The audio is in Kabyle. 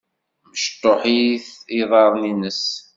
Mecṭuḥ-it yiḍaren-ines.